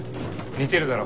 似てるだろ。